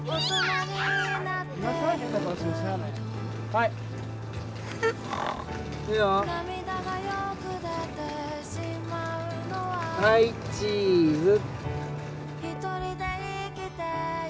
はいチーズ。